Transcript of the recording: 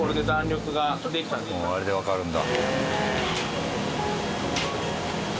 もうあれでわかるんだ。